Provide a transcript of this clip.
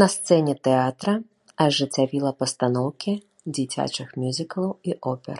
На сцэне тэатра ажыццявіла пастаноўкі дзіцячых мюзіклаў і опер.